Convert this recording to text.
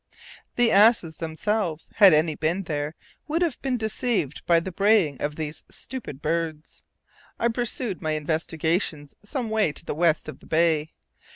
The asses themselves, had any been there, would have been deceived by the braying of these stupid birds. I pursued my investigations some way to the west of the bay.